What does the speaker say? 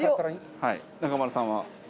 はい中丸さんは？